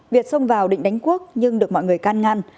việt xông vào định đánh quốc nhưng được mọi người can ngăn